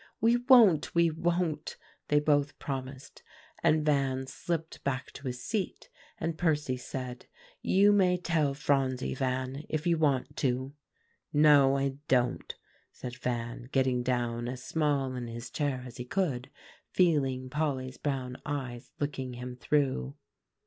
"We won't! we won't!" they both promised; and Van slipped back to his seat, and Percy said, "You may tell Phronsie, Van, if you want to." "No, I don't," said Van, getting down as small in his chair as he could, feeling Polly's brown eyes looking him through.